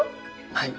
はい。